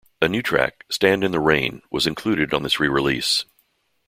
A new track, "Stand in the Rain", was included on this re-release.